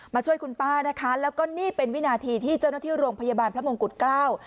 ช่วยคุณป้านะคะแล้วก็นี่เป็นวินาทีที่เจ้าหน้าที่โรงพยาบาลพระมงกุฎเกล้า